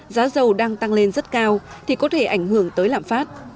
giá dầu đang tăng lên rất cao thì có thể ảnh hưởng tới lạm phát